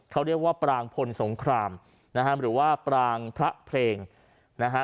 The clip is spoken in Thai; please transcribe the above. เขาเรียกว่าปรางพลสงครามนะฮะหรือว่าปรางพระเพลงนะฮะ